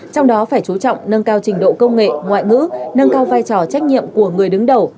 trong đó phải chú trọng nâng cao trình độ công nghệ ngoại ngữ nâng cao vai trò trách nhiệm của người đứng đầu